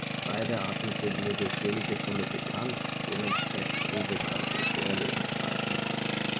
Beide Arten sind nur durch wenige Funde bekannt, dementsprechend unbekannt ist ihre Lebensweise.